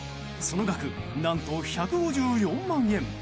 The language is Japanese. その額、何と１５４万円。